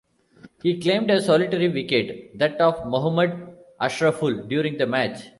He claimed a solitary wicket, that of Mohammad Ashraful during the match.